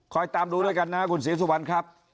ตามดูด้วยกันนะคุณศรีสุวรรณครับ